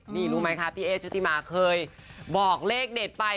นี่รู้ไหมคะพี่เอ๊ชุธิมาเคยบอกเลขเด็ดไป